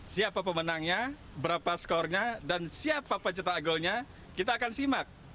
siapa pemenangnya berapa skornya dan siapa pencetak golnya kita akan simak